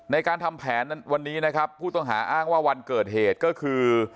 ในการทำแผนวันนี้นะครับผู้ต้องหาอ้างว่าวันเกิดเหตุก็คือ